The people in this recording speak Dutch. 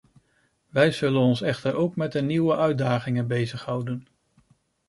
We zullen ons echter ook met de nieuwe uitdagingen bezighouden.